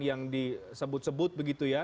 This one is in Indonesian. yang disebut sebut begitu ya